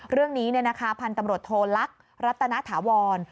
เรื่องนี้เนี่ยนะคะพันธุ์ตำรวจโทรลักษณ์รัตนาถาวร